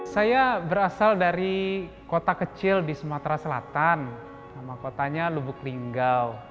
saya berasal dari kota kecil di sumatera selatan sama kotanya lubuk linggau